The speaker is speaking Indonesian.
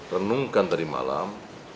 renungkan tadi malam